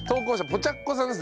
ポチャッコさん。